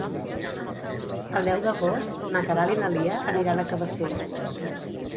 El deu d'agost na Queralt i na Lia aniran a Cabacés.